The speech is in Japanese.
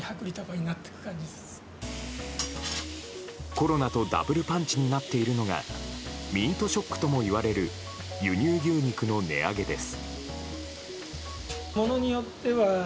コロナとダブルパンチになっているのがミートショックともいわれる輸入牛肉の値上げです。